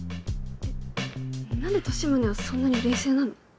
何で利宗はそんなに冷静なの？